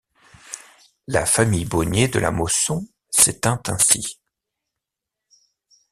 La famille Bonnier de La Mosson s'éteint ainsi.